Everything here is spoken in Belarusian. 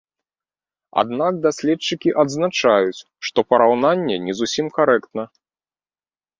Аднак даследчыкі адзначаюць, што параўнанне не зусім карэктна.